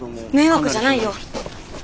迷惑じゃないよ。